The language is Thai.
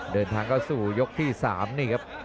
เดินทางเข้าสู่ยกที่๓นี่ครับ